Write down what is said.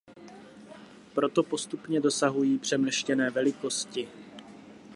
Proto postupně dosahují přemrštěné velikosti.